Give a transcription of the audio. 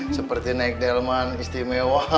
seperti naik delman istimewa